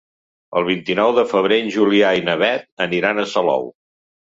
El vint-i-nou de febrer en Julià i na Beth aniran a Salou.